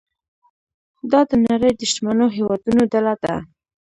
دا د نړۍ د شتمنو هیوادونو ډله ده.